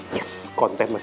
iya emang jemegi post